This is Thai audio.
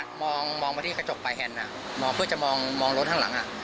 มองมาที่กระจกปลายแฮนด์มองเพื่อจะมองรถข้างหลังอ่ะ